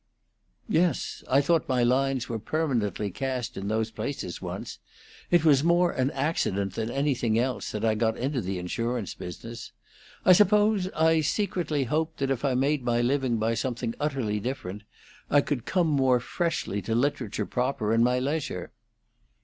"Yes; I thought my lines were permanently cast in those places once. It was more an accident than anything else that I got into the insurance business. I suppose I secretly hoped that if I made my living by something utterly different, I could come more freshly to literature proper in my leisure."